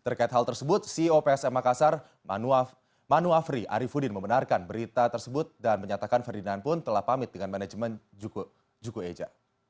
terkait hal tersebut ceo psm makassar manuafri arifudin membenarkan berita tersebut dan menyatakan ferdinand pun telah pamit dengan manajemen juku eja